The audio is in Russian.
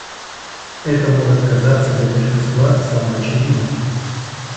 Это может казаться для большинства самоочевидным.